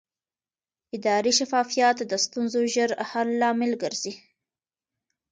اداري شفافیت د ستونزو ژر حل لامل ګرځي